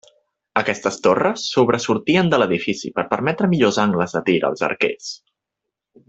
Aquestes torres sobresortien de l'edifici per permetre millors angles de tir als arquers.